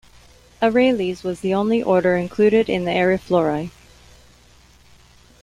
Arales was the only order included in the Ariflorae.